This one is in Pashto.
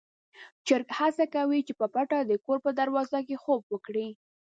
چرګ هڅه کوي چې په پټه د کور په دروازه کې خوب وکړي.